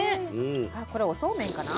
あっこれおそうめんかな？